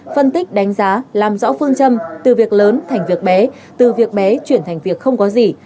phân tích đánh giá làm rõ phương châm từ việc lớn thành việc bé từ việc bé chuyển thành việc không có gì